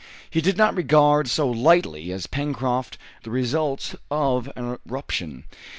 He did not regard so lightly as Pencroft the results of an eruption.